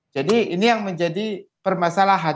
jadi ini yang menjadi permasalahan